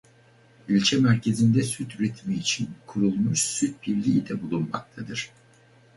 İlçe merkezinde süt üretimi için kurulmuş süt birliği de bulunmaktadır.